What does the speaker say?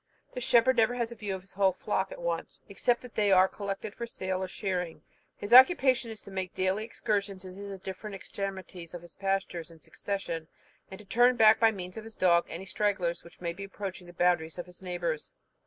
The shepherd never has a view of his whole flock at once, except when they are collected for sale or shearing. His occupation is to make daily excursions to the different extremities of his pastures in succession, and to turn back, by means of his dog, any stragglers that may be approaching the boundaries of his neighbours.